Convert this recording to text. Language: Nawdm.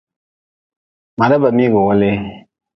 Ma daba miigi weelee.